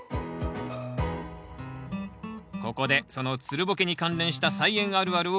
ここでそのつるボケに関連した「菜園あるある」をご紹介します。